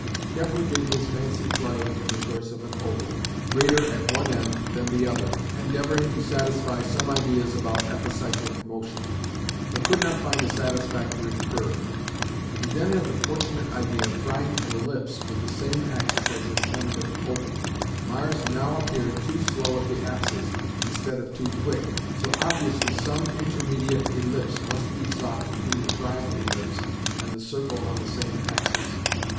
Kepler gave his fancy play in the choice of an oval, greater at one end than the other, endeavouring to satisfy some ideas about epicyclic motion, but could not find a satisfactory curve. He then had the fortunate idea of trying an ellipse with the same axis as his tentative oval. Mars now appeared too slow at the apses instead of too quick, so obviously some intermediate ellipse must be sought between the trial ellipse and the circle on the same axis.